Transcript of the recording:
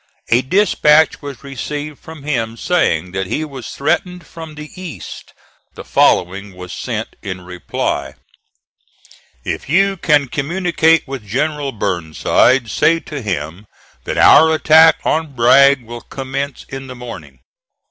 A dispatch was received from him saying that he was threatened from the east. The following was sent in reply: "If you can communicate with General Burnside, say to him that our attack on Bragg will commence in the morning.